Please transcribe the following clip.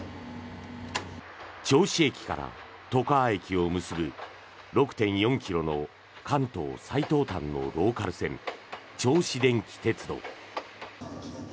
銚子駅から外川駅を結ぶ６．４ｋｍの関東最東端のローカル線銚子電気鉄道。